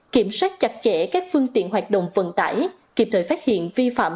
kiểm soát chặt chẽ các phương tiện hoạt động vận tải kịp thời phát hiện vi phạm